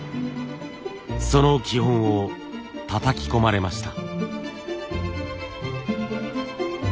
その基本をたたき込まれました。